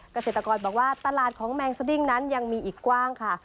เกษตรกรบอกว่าตลาดของแมงสดิ้งนั้นยังมีอีกกว้างค่ะ